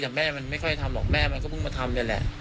แต่แม่มันไม่ค่อยทำหรอกแม่มันก็เพิ่งมาทำนี่แหละ